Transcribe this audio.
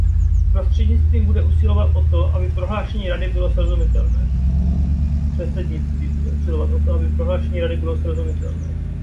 Předsednictví bude usilovat o to, aby prohlášení Rady bylo srozumitelné.